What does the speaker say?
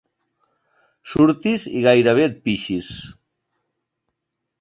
Surtis i gairebé et pixis.